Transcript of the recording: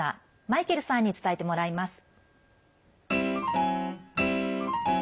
マイケルさんに伝えてもらいます。